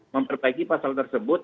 memperbaiki pasal tersebut